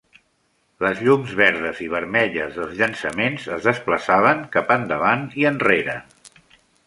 Les llums verdes i vermelles dels llançaments es desplaçaven cap endavant i enrere.